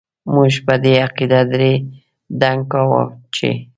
موږ په دې عقيده دړي دنګ کاوو چې ...